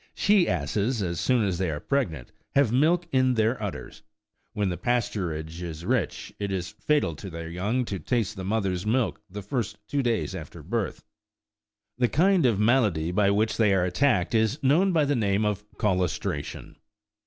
She asses, as socn as they are pregnant, have milk in their udders ; when the pasturage is rich, it is fatal to their young to taste the mother's milk the first two days after birth ; the kind of malady by which they are attacked is known by the name of " colostration."